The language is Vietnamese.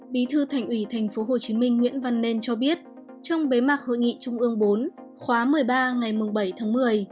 bí thư thành ủy tp hcm nguyễn văn nên cho biết trong bế mạc hội nghị trung ương bốn khóa một mươi ba ngày bảy tháng một mươi